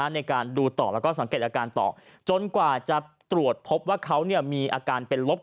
ในการดูต่อแล้วก็สังเกตอาการต่อจนกว่าจะตรวจพบว่าเขามีอาการเป็นลบ